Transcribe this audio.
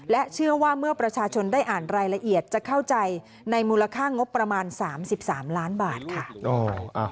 เชื่อว่าเมื่อประชาชนได้อ่านรายละเอียดจะเข้าใจในมูลค่างบประมาณ๓๓ล้านบาทค่ะ